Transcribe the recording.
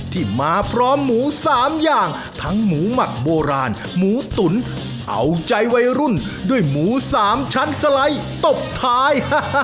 ที่มาพร้อมหมู๓อย่างทั้งหมูหมักโบราณหมูตุ๋นเอาใจวัยรุ่นด้วยหมูสามชั้นสไลด์ตบท้าย